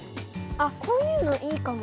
あっこういうのいいかも。